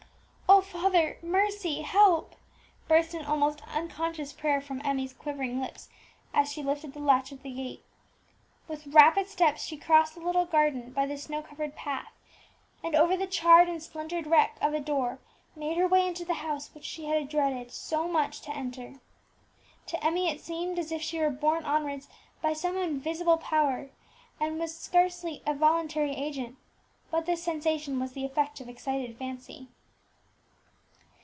"O Father mercy help!" burst in almost unconscious prayer from Emmie's quivering lips, as she lifted the latch of the gate. With rapid steps she crossed the little garden by the snow covered path, and over the charred and splintered wreck of a door made her way into the house which she had so much dreaded to enter. To Emmie it seemed as if she were borne onwards by some invisible power, and were scarcely a voluntary agent; but this sensation was the effect of excited fancy.